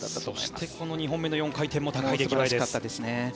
そして２本目の４回転も高い出来栄えです。